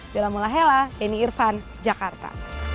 dalam olahraga ini irvan jakarta